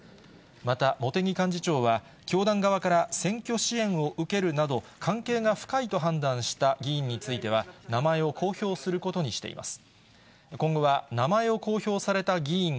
また茂木幹事長は、教団側から選挙支援を受けるなど、関係が深いと判断した議員については、名前を公表することにしています。